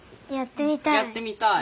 やってみたい！